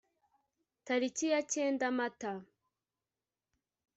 Tariki ya kenda Mata